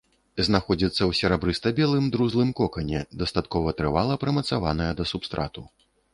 Знаходзіцца ў серабрыста-белым друзлым кокане, дастаткова трывала прымацаваная да субстрату.